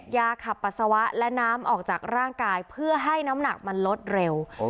ยาขับปัสสาวะและน้ำออกจากร่างกายเพื่อให้น้ำหนักมันลดเร็ว